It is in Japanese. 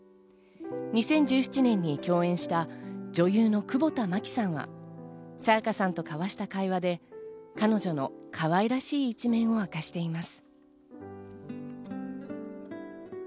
２０１７年に共演した女優の久保田磨希さんは沙也加さんと交わした会話で、彼女のかわいらしい一面を明かしています。